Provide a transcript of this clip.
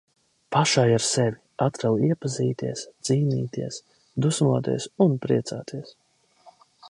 Pašai ar sevi - atkal iepazīties, cīnīties, dusmoties un priecāties.